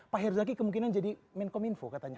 pak herzaki kemungkinan jadi menkom info katanya